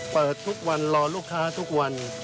เปิดทุกวันรอลูกค้าทุกวัน